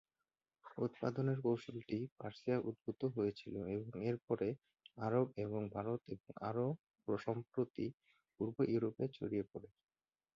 উৎপাদনের কৌশলটি পার্সিয়ায় উদ্ভূত হয়েছিল এবং এরপরে আরব এবং ভারত এবং আরও সম্প্রতি পূর্ব ইউরোপে ছড়িয়ে পড়ে।